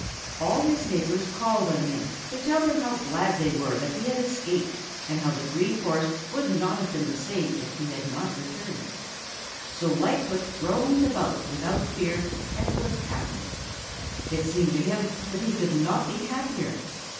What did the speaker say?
All his neighbors called on him to tell him how glad they were that he had escaped and how the Green Forest would not have been the same if he had not returned. So Lightfoot roamed about without fear and was happy. It seemed to him that he could not be happier.